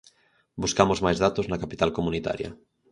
Buscamos máis datos na capital comunitaria.